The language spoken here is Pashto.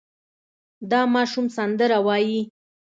دا ماشوم سندره وايي.